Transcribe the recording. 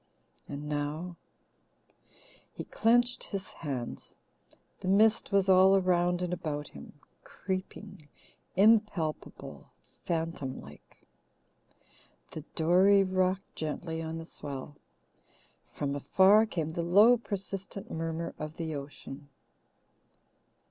And now " He clenched his hands. The mist was all around and about him, creeping, impalpable, phantom like. The dory rocked gently on the swell. From afar came the low persistent murmur of the ocean.